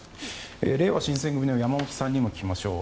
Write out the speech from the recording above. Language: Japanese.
れいわ新選組の山本さんにも聞きましょう。